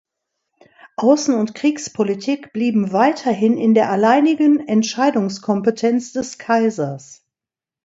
Außen- und Kriegspolitik blieben weiterhin in der alleinigen Entscheidungskompetenz des Kaisers.